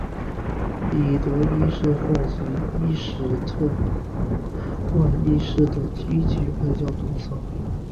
彼得一世奉行伊什特万一世的积极外交政策。